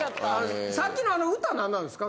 さっきのあの歌何なんですか？